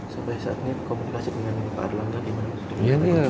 sampai saat ini komunikasi dengan pak erlangga